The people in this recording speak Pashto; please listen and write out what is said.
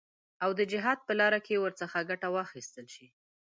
او د جهاد په لاره کې ورڅخه ګټه واخیستل شي.